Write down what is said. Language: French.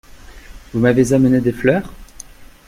Vous m’avez amené des fleurs ?